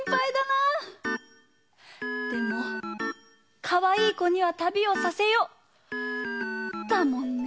でも「かわいい子にはたびをさせよ」だもんね。